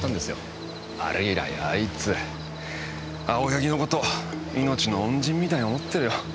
あれ以来あいつ青柳のこと命の恩人みたいに思ってるよ。